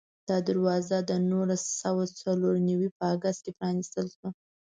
دا دروازه د نولس سوه څلور نوي په اګست کې پرانستل شوه.